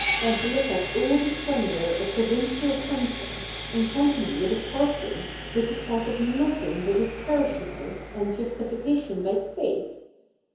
than to look at all the splendour of provincial sunsets, in company with a parson who could talk of nothing but his parishioners and justi fication by faith.